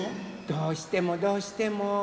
どうしてもどうしても。